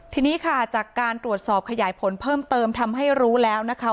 ทีนี้ค่ะจากการตรวจสอบขยายผลเพิ่มเติมทำให้รู้แล้วนะคะ